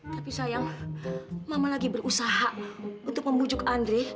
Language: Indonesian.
tapi sayang mama lagi berusaha untuk membujuk andri